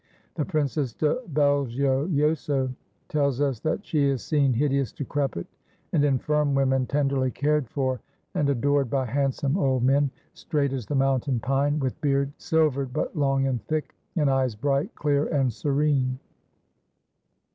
The Princess de Belgiojoso tells us that she has seen hideous, decrepit, and infirm women tenderly cared for and adored by handsome old men, straight as the mountain pine, with beard silvered but long and thick, and eyes bright, clear, and serene.